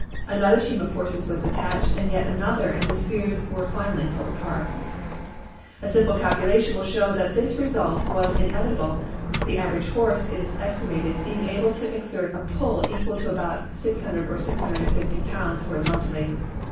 Another team of horses was attached, and yet another, and the spheres were finally pulled apart. A simple calculation will show that this result was in evitable, the average horse, it is estimated, being able to exert a pull equal to about 600 or 650 pounds horizontally.